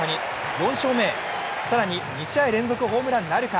４勝目へ、更に２試合連続ホームランなるか。